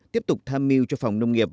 tiếp tục tham mưu cho phòng nông nghiệp